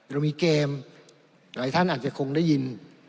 เรามีเกมหลายท่านอาจจะคงได้ยิน